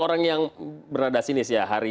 orang yang bernada sinis ya hari